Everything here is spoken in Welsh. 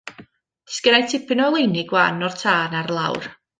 Disgynnai tipyn o oleuni gwan o'r tân ar lawr.